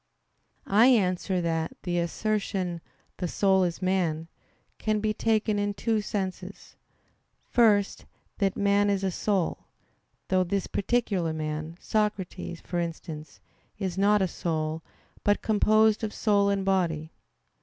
I answer that, The assertion "the soul is man," can be taken in two senses. First, that man is a soul; though this particular man, Socrates, for instance, is not a soul, but composed of soul and body.